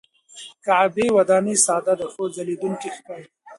کعبه وداني ساده ده خو ځلېدونکې ښکاري.